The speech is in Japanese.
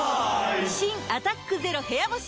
新「アタックＺＥＲＯ部屋干し」